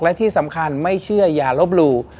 และที่สำคัญไม่เชื่ออย่าลบหลู่